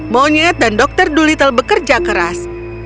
monyet dan dokter dolittle bekerja keras